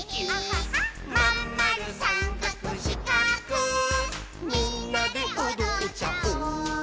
「まんまるさんかくしかくみんなでおどっちゃおう」